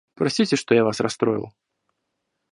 Простите, что я вас расстроил.